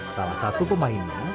salah satu pemainnya